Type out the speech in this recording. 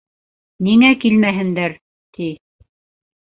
Ниңә килмәһендәр, ти.